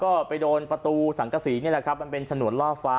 ก็ไปโดนประตูสังกษีนี่แหละครับมันเป็นฉนวนล่อฟ้า